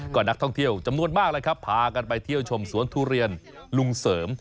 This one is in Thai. ก็นักท่องเที่ยวจำนวนมากเลยครับพากันไปเที่ยวชมสวนทุเรียนลุงเสริม